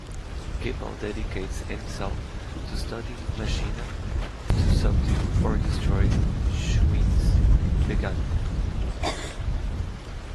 Gippal dedicates himself to studying machina to subdue or destroy Shuyin's Vegnagun.